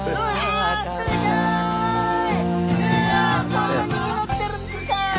こんなに実ってるんっすか！